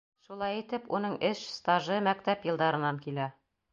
Шулай итеп, уның эш стажы мәктәп йылдарынан килә...